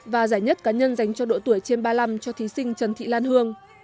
và giải nhất cá nhân dành cho độ tuổi trên ba mươi năm cho thí sinh trần thị lan hương